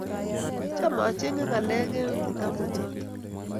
Cham achenge ngalek eng kitabut noto